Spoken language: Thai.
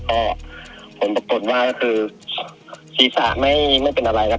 ก็ผลปรวจว่าศีรษะไม่เป็นอะไรครับ